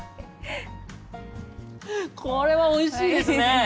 これはおいしいですね。